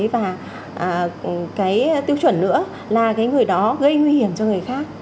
và cái tiêu chuẩn nữa là cái người đó gây nguy hiểm cho người khác